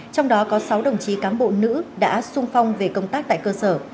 trong đó có sáu đồng chí cán bộ nữ đã sung phong về công tác tại cơ sở